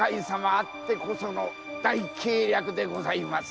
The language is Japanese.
あってこその大計略でございます。